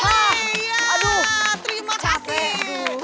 aduh terima kasih